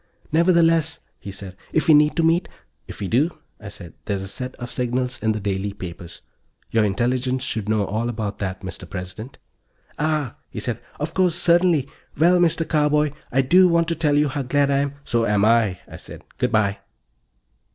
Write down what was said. "Nevertheless," he said. "If we need to meet " "If we do," I said, "there's a set of signals in the daily papers. Your Intelligence should know all about that, Mr. President." "Ah," he said. "Of course. Certainly. Well, Mr. Carboy, I do want to tell you how glad I am " "So am I," I said. "Good by."